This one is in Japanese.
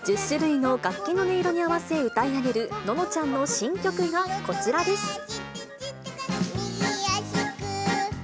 １０種類の楽器の音色に合わせ歌い上げる、ののちゃんの新曲がこちらです。